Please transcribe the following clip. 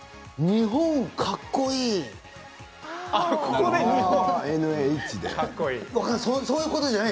日本かっこいいって。